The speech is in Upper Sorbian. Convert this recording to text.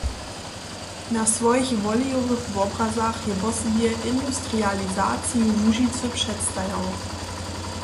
Na swojich wolijowych wobrazach je wosebje industrializaciju Łužicy předstajał.